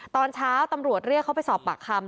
ตอนเช้าตำรวจเรียกเขาไปสอบปากคำ